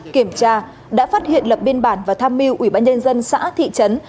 kiểm tra đã phát hiện lập biên bản và tham mưu ủy ban nhân dân xã thị trấn